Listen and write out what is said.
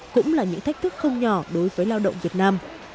cũng là những thách thức không nhỏ đối với lao động việt nam